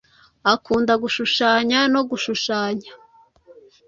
akunda gushushanya no gushushanya